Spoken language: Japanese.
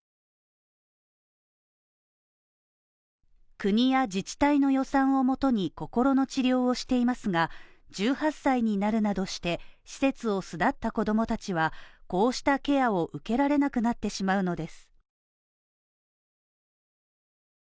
国や自治体の予算をもとに心の治療をしていますが、１８歳になるなどして施設を巣立った子供たちはこうしたケアを受けられなくなってしまうのです。